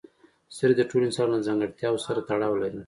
سترګې د ټولو انسانانو له ځانګړتیاوو سره تړاو لري.